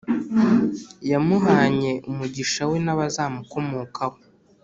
yamuhanye umugisha we n’abazamukomokaho.